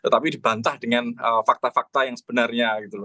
tapi dibantah dengan fakta fakta yang sebenarnya